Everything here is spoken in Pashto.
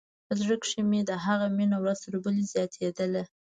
په زړه کښې مې د هغه مينه ورځ تر بلې زياتېدله.